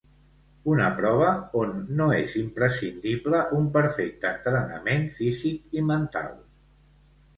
Una prova on no és imprescindible un perfecte entrenament físic i mental.